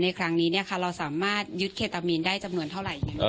ในครั้งนี้เราสามารถยึดเคตามีนได้จำนวนเท่าไหร่